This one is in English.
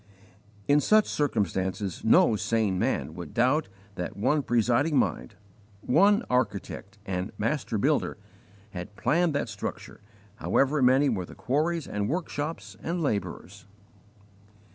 In such circumstances no sane man would doubt that one presiding mind one architect and master builder had planned that structure, however many were the quarries and workshops and labourers.